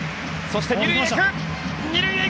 そして２塁へ！